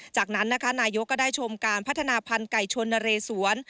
จากนั้นนายกรัฐมนตรีก็ได้ชมการพัฒนาพันธ์ไก่ชนเรศวร